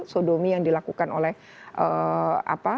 sodomi yang dilakukan oleh apa